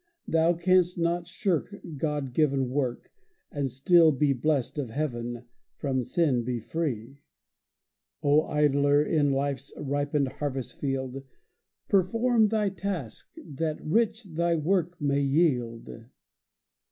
Thou canst not shirk God given work And still be blest of Heaven, from sin be free. O idler in life's ripened harvest field, Perform thy task, that rich thy work may yield!